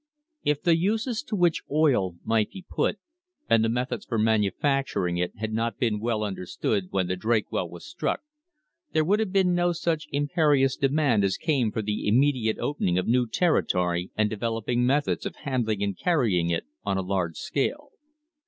If the uses to which oil might be put and the methods for manufacturing it had not been well understood when the Drake well was struck, there would have been no such impe rious demand as came for the immediate opening of new territory and developing methods of handling and carrying it on a large scale.